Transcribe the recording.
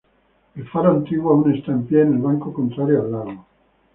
El faro antiguo aún está en pie en el banco contrario al lago.